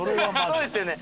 そうですよね。